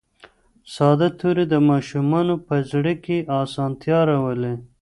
ساده توري د ماشومانو په زده کړه کې اسانتیا راولي